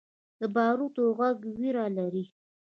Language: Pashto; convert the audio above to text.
د باروتو غږ ویره لري.